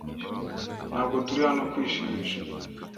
Ntabwo turi hano kwishimisha.